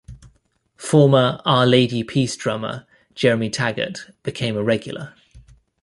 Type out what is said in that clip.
Former Our Lady Peace drummer Jeremy Taggart became a regular.